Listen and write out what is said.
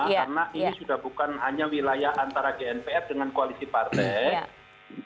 kita tidak mau berlama lama ya makin sudah bukan hanya wilayah antara gnpf dengan koalisi partai